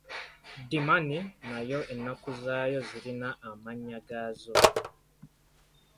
Ddimani nayo ennaku zaayo zirina amannya gaazo.